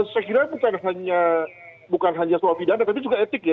saya kira bukan hanya soal pidana tapi juga etik ya